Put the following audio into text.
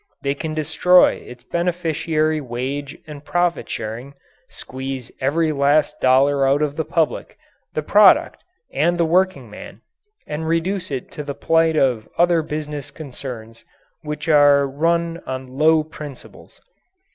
They can destroy its beneficiary wage and profit sharing, squeeze every last dollar out of the public, the product, and the workingman, and reduce it to the plight of other business concerns which are run on low principles.